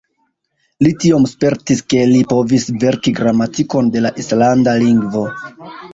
Li tiom spertis ke li povis verki gramatikon de la islanda lingvo.